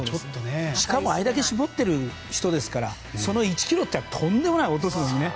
しかも、あれだけ絞っている人ですからその１ｋｇというのはとんでもないことですよね。